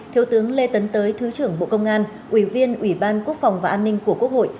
thiếu tướng lê tấn tới thứ trưởng bộ công an ủy viên ủy ban quốc phòng và an ninh của quốc hội